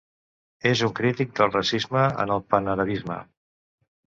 És un crític del racisme en el panarabisme.